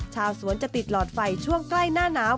ชาวสวนจะติดหลอดไฟช่วงใกล้หน้าหนาว